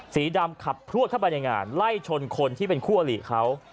สีดำขับพลวดเข้าไปในงานไล่ชนคนที่เป็นคู่อลิเขา